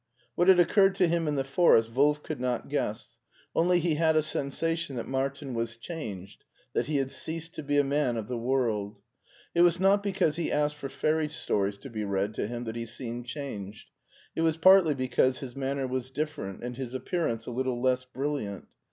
What had occurred to him in the forest Wolf could not guess, only he had a sensation that Martin was changed, that he had ceased to be a man of the world. It was not because he asked for fairy stories to be read to him that he seemed changed ; it was partly because his manner was different and his appearance a little less brilliant.